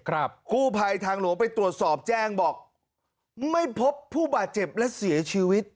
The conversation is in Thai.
กู้ภัยทางหลวงไปตรวจสอบแจ้งบอกไม่พบผู้บาดเจ็บและเสียชีวิต